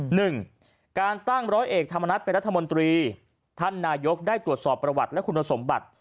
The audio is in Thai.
หนึ่งการตั้งร้อยเอกธรรมนัฐเป็นรัฐมนตรีท่านนายกได้ตรวจสอบประวัติและคุณสมบัติ